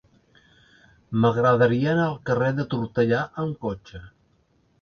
M'agradaria anar al carrer de Tortellà amb cotxe.